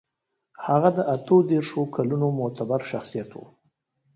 هغه د اتو دېرشو کلونو معتبر شخصيت و.